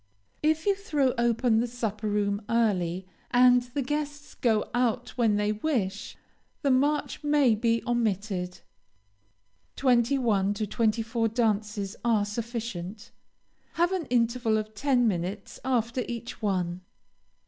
If you throw open the supper room, early, and the guests go out when they wish, the march may be omitted. Twenty one to twenty four dances are sufficient. Have an interval of ten minutes after each one.